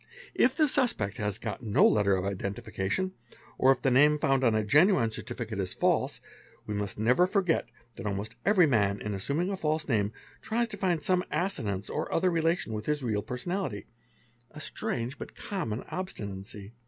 If the suspect has got no letter of identification, or if the name (4 i nd on a genuine certificate is false, we must never forget that almost ary man in assuming a false name tries to find some assonance or other lation with his real personality,—a strange but common obstinacy.